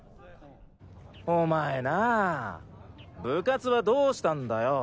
お前なぁ部活はどうしたんだよ？